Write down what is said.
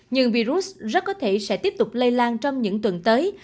nhưng virus rất có thể sẽ tiếp tục lây lan trong những tuần tới